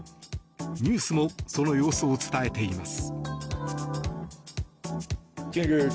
ニュースもその様子を伝えています。